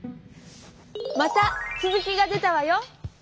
またつづきが出たわよ。